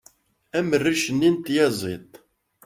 am rric-nni n tyaziḍt